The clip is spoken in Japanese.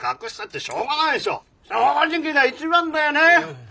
正直が一番だよね。